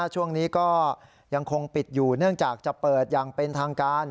ช่วงนี้ก็ยังคงปิดอยู่เนื่องจากจะเปิดอย่างเป็นทางการ